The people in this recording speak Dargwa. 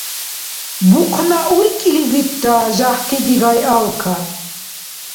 Бухъна уркӀилизирра жагьти дигай алкан.